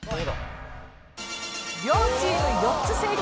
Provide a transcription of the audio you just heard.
両チーム４つ正解。